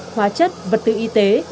hóa chất vật tự y tế